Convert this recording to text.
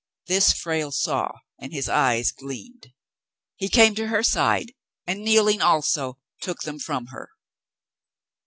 This Frale saw, and his eyes gleamed. He came to her side and, kneeling also, took them from her.